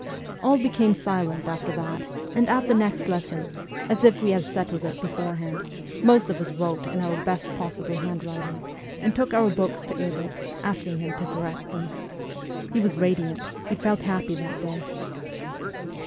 All became silent after that, and at the next lesson, as if we had settled it beforehand, .most of us wrote in our best possible handwriting, and took our books to Ebert, asking him to correct them. He was radiant, he felt happy that day.